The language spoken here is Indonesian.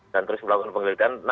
dan terus melakukan pengelirikan